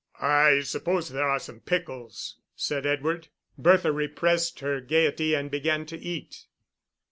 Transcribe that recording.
"I suppose there are some pickles," said Edward. Bertha repressed her gaiety and began to eat.